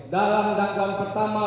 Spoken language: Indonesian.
dalam dakwa pertama